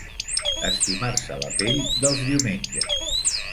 Estimar-se la pell dels diumenges.